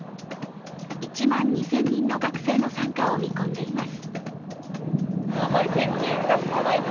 １万２０００人の学生の参加を見込んでいます。